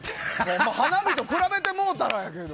花火と比べてもうたらやけど。